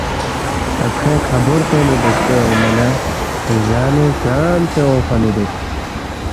تا کھوے کھابور پِنگ دیژے اونگما نہ زانِنگ ژامژے اونگفا مِہ دُوک؟